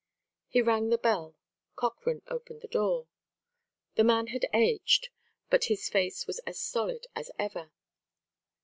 He rang the bell. Cochrane opened the door. The man had aged; but his face was as stolid as ever.